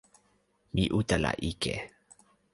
mi utala ike.